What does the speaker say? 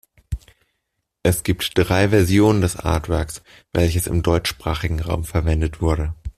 Es gibt drei Versionen des Artworks, welches im deutschsprachigen Raum verwendet wurde.